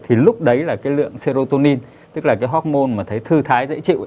thì lúc đấy là cái lượng serotonin tức là cái hormone mà thấy thư thái dễ chịu